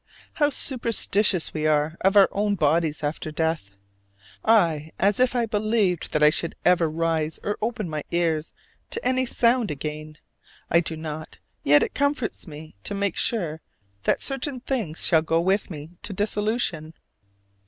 How superstitious we are of our own bodies after death! I, as if I believed that I should ever rise or open my ears to any sound again! I do not, yet it comforts me to make sure that certain things shall go with me to dissolution.